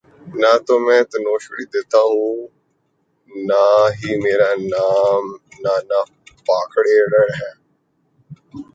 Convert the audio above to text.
نہ تو میں تنوشری دتہ ہوں اور نہ ہی میرا نام نانا پاٹیکر ہے